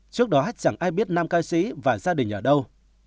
trước đó hết chẳng ai biết nam ca sĩ và gia đình ở đâu